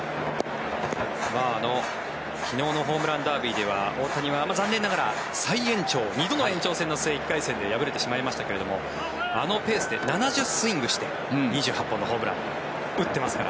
昨日のホームランダービーでは大谷は残念ながら再延長、２度の延長の末１回戦で敗れてしまいましたがあのペースで７０スイングして２８本のホームラン打ってますから。